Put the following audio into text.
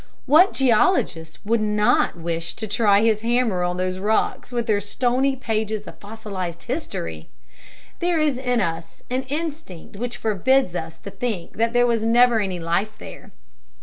What geologist would not wish to try his hammer on those rocks with their stony pages of fossilized history? There is in us an instinct which forbids us to think that there was never any life there.